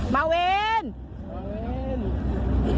มาเวรมาเวร